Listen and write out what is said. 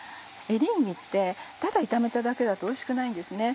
エリンギってただ炒めただけだとおいしくないんですね。